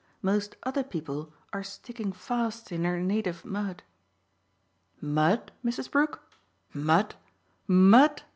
Most other people are sticking fast in their native mud." "Mud, Mrs. Brook mud, mud!"